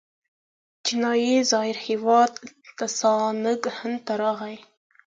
چینایي زایر هیوان تسانګ هند ته راغی.